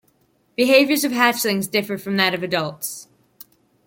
Behaviors of hatchlings differ from that of adults.